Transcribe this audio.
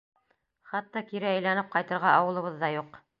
Хатта кире әйләнеп ҡайтырға ауылыбыҙ ҙа юҡ.